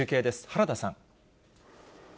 原田さん。